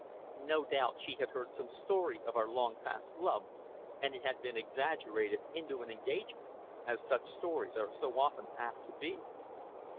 No doubt she had heard some story of our long past love, and it had been exaggerated into an engagement, as such stories are so often apt to be.